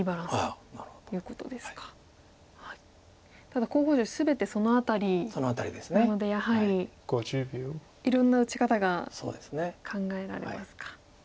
ただ候補手全てその辺りなのでやはりいろんな打ち方が考えられますか。